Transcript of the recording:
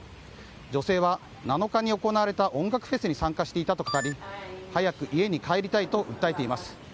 女性は７日に行われた音楽フェスに参加していたと語り早く家に帰りたいと訴えています。